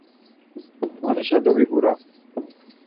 Manişa dovigurap.